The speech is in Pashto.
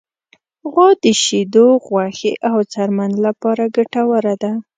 غوا د شیدو، غوښې، او څرمن لپاره ګټوره ده.